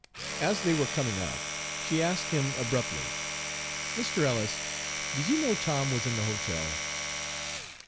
As they were coming up she asked him abruptly, "Mr. Ellis, did you know Tom was in the hotel?"